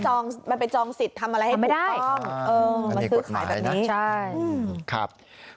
จองมาไปจองสิทธิ์ทำอะไรไม่ได้เออใช่ครับ